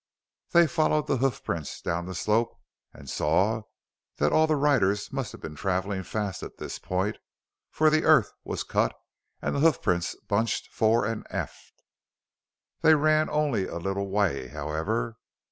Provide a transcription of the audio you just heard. They followed the hoof prints down the slope and saw that all the riders must have been traveling fast at this point, for the earth was cut and the hoof prints bunched fore and aft. They ran only a little way, however.